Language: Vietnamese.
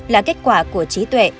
là kết quả của trí tuệ